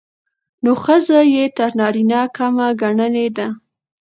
نو ښځه يې تر نارينه کمه ګڼلې ده.